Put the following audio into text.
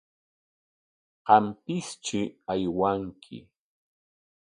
Qampistri aywanki.